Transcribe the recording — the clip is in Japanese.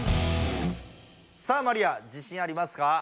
さあマリア自信ありますか？